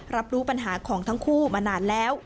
รับรู้ปัญหาของทั้งคู่มานานแล้ว